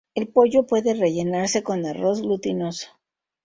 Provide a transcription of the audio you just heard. El pollo puede rellenarse con arroz glutinoso.